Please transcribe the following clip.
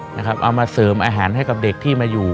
เอามาเสริมอาหารให้กับเด็กที่มาอยู่